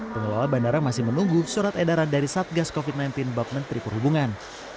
pengelola bandara masih menunggu surat edaran dari satgas covid sembilan belas bapak menteri perhubungan